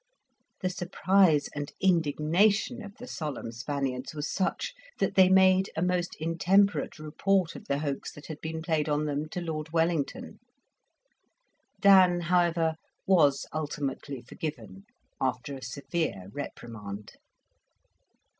The surprise and indignation of the solemn Spaniards was such, that they made a most intemperate report of the hoax that had been played on them to Lord Wellington; Dan, however, was ultimately forgiven, after a severe reprimand.